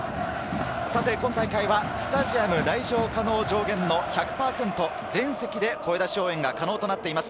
今大会はスタジアム来場可能上限の１００％、全席で声出し応援が可能となっています。